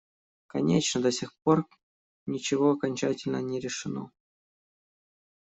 Конечно, до сих пор ничего окончательно не решено.